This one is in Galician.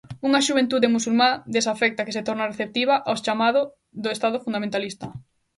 Unha xuventude musulmá desafecta que se torna receptiva aos chamado do estado fundamentalista.